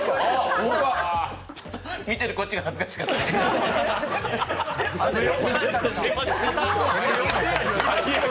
見てるこっちが恥ずかしくなってくる。